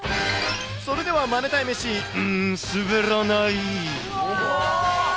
それではマネたい飯、うーん、滑らない。